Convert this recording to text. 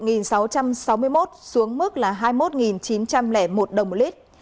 giá dầu hỏa giảm một sáu trăm sáu mươi một xuống mức là hai mươi một chín trăm linh một đồng mỗi lít